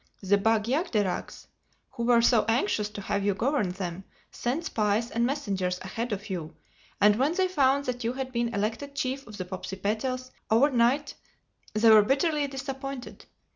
The Bag jagderags, who were so anxious to have you govern them, sent spies and messengers ahead of you; and when they found that you had been elected Chief of the Popsipetels overnight they were bitterly disappointed.